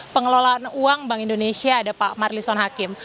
pengelolaan uang bank indonesia ada pak marlison hakim